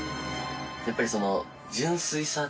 やっぱりその。